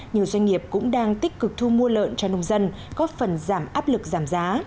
nhiều doanh nghiệp cũng đang tích cực thu mua lợn cho nông dân góp phần giảm áp lực giảm giá